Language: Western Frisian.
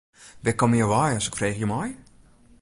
Wêr komme jo wei as ik freegje mei.